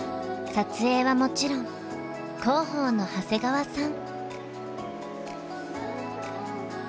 撮影はもちろん広報の長谷川さん。